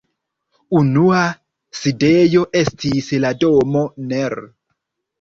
Unua sidejo estis la domo nr.